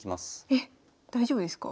えっ大丈夫ですか？